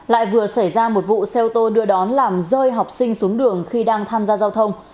lại vừa xảy ra một vụ xe ô tô đưa đón làm rơi học sinh xuống đường khi đang tham gia giao thông